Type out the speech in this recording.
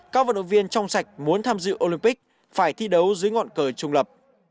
các vận động viên trong sạch muốn tham dự olympic phải thi đấu dưới ngọn cờ trung lập